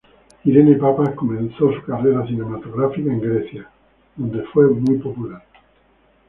Irene Papas empezó su carrera cinematográfica en Grecia, donde se hizo popular.